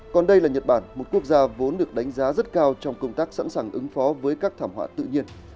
còn đây là nhật bản một quốc gia vốn được đánh giá rất cao trong công tác sẵn sàng ứng phó với các thảm họa tự nhiên